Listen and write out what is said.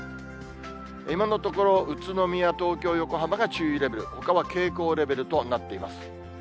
今のところ、宇都宮、東京、横浜が注意レベル、ほかは警戒レベルとなっています。